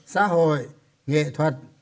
xã hội nghệ thuật